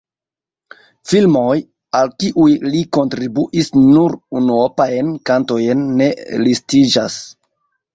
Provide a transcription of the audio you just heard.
Filmoj, al kiuj li kontribuis nur unuopajn kantojn, ne listiĝas.